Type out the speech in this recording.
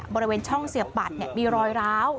บริเวณช่องเสียบบัตรมีรอยร้าว